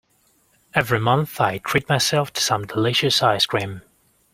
Every month, I treat myself to some delicious ice cream.